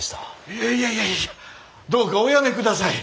いやいやいやどうかおやめください。